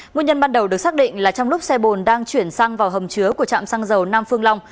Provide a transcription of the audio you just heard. nguyên nhân ban đầu được xác định là trong lúc xe bồn đang chuyển sang vào hầm chứa của trạm xăng dầu nam phương long